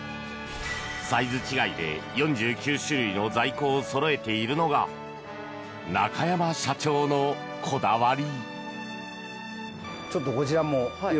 サイズ違いで４９種類の在庫をそろえているのが中山社長のこだわり。